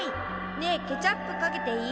ねえケチャップかけていい？